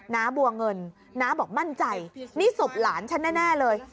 น้าบัวเงินน้าบอกมั่นใจนี่ศพหลานฉันแน่เลย